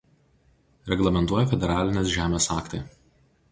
Reglamentuoja federalinės žemės aktai.